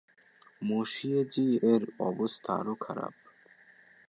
মসিয়ে জি-এর অবস্থা আরো খারাপ।